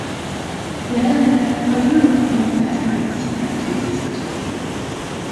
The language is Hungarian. Jelenleg a European Patriots Unite ügyvezetője.